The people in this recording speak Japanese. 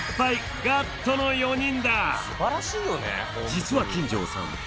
実は金城さん